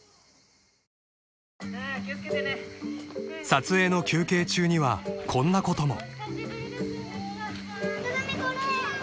［撮影の休憩中にはこんなことも］